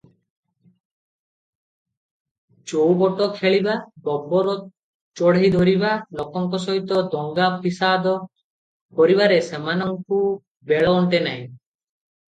ଚଉପଟ ଖେଳିବା, ଗୋବର ଚଢ଼େଇଧରିବା ଲୋକଙ୍କ ସହିତ ଦଙ୍ଗା ଫିସାଦ କରିବାରେ ସେମାନଙ୍କୁ ବେଳ ଅଣ୍ଟେ ନାହିଁ ।